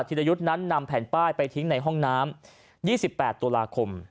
รยุทธ์นั้นนำแผ่นป้ายไปทิ้งในห้องน้ำ๒๘ตุลาคม